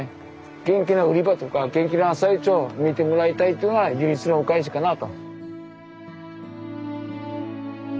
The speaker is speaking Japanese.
元気な売り場とか元気な朝市を見てもらいたいっていうのが唯一のお返しかなあと。